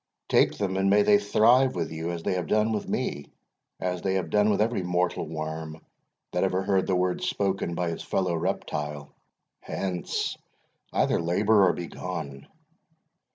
Take them, and may they thrive with you as they have done with me as they have done with every mortal worm that ever heard the word spoken by his fellow reptile! Hence either labour or begone!"